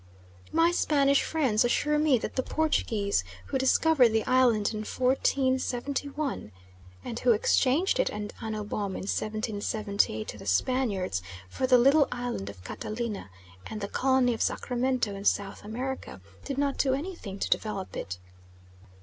My Spanish friends assure me that the Portuguese, who discovered the island in 1471, {48a} and who exchanged it and Anno Bom in 1778 to the Spaniards for the little island of Catalina and the colony of Sacramento in South America, did not do anything to develop it.